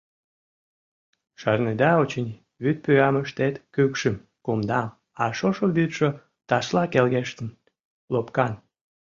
Шарнеда, очыни, вӱд пӱям ыштет кӱкшым, кумдам, а шошо вӱдшӧ ташла келгештын, лопкан!